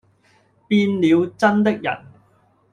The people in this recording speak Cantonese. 變了眞的人。